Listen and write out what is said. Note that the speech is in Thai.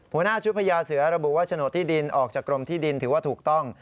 หัวหน้าชุดพญาเสือระบุว่าโฉนดที่ดินออกจากกรมที่ดินถือว่าถูกต้อง